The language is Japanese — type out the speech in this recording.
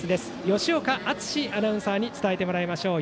吉岡篤史アナウンサーに伝えてもらいましょう。